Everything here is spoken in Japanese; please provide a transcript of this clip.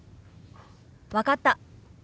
分かった。